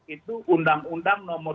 itu undang undang nomor